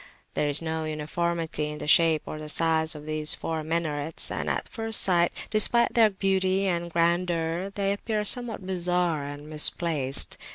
There is no uniformity in the shape or the size of these four minarets, and at first sight, despite their beauty and grandeur, they appear somewhat bizarre and misplaced.